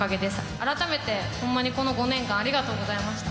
改めてほんまにこの５年間、ありがとうございました。